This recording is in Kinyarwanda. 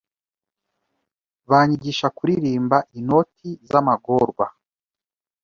Banyigisha kuririmba inoti zamagorwa